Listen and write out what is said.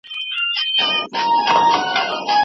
کوم استاد چي څېړنه نه ده کړې هغه لارښود نسي کېدای.